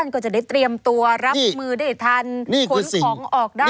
ก็จะได้เตรียมตัวรับมือได้ทันขนของออกได้